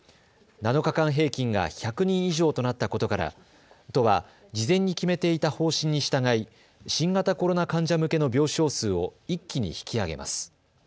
７日間平均が１００人以上となったことから都は事前に決めていた方針に従い新型コロナ患者向けの病床数を一気に引き上げます。